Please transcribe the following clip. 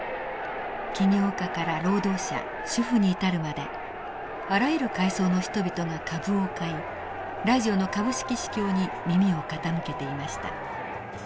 企業家から労働者主婦に至るまであらゆる階層の人々が株を買いラジオの株式市況に耳を傾けていました。